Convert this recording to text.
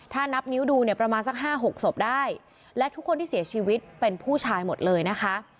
ถ้านับนิ้วดูเนี่ยประมาณสักห้าหกศพได้และทุกคนที่เสียชีวิตเป็นผู้ชายหมดเลยนะคะ